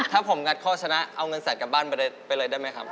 ถ้าผมงัดข้อชนะเอาเงินสัตวกลับบ้านไปเลยได้ไหมครับ